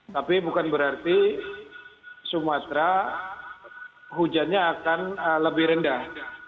tapi bukan berarti sumatera hujannya akan lebih rendah